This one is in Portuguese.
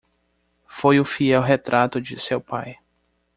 Foi o fiel retrato de seu pai.